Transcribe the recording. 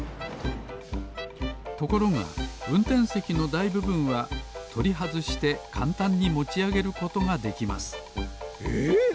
ところがうんてんせきのだいぶぶんはとりはずしてかんたんにもちあげることができますえっ？